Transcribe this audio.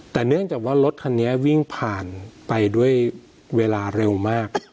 แต่เนื่องจากว่ารถคันนี้วิ่งผ่านไปด้วยเวลาเร็วมาก